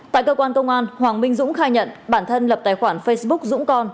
tại cơ quan công an hoàng minh dũng khai nhận bản thân lập tài khoản facebook dũng con